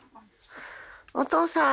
お父さん。